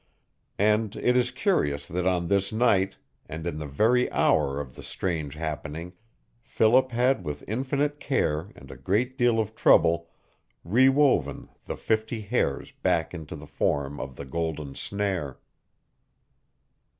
And it is curious that on this night, and in the very hour of the strange happening, Philip had with infinite care and a great deal of trouble rewoven the fifty hairs back into the form of the golden snare.